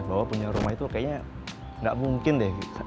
bahwa punya rumah itu kayaknya nggak mungkin deh